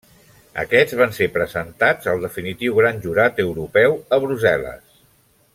Aquests van ser presentats al definitiu Gran Jurat Europeu a Brussel·les.